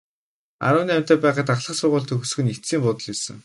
Арван наймтай байхад ахлах сургууль төгсөх нь эцсийн буудал байсан.